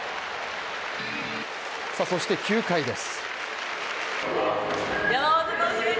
そして９回です。